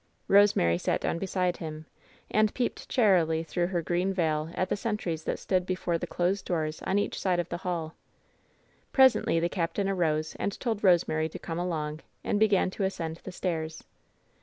Rosemary sat down beside him, and peeped charily through her green veil at the sentries that stood before the closed doors on each side the hall. Presently the captain arose and told Rosemary to come along, and began to ascend the stairs.